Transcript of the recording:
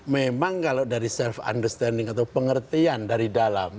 memang kalau dari self understanding atau pengertian dari dalam